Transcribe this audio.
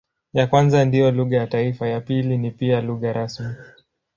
Ya kwanza ndiyo lugha ya taifa, ya pili ni pia lugha rasmi.